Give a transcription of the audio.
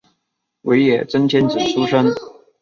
尾野真千子出身。